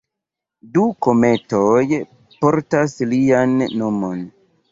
Du kometoj portas lian nomon.